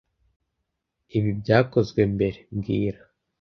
Ibi byakozwe mbere mbwira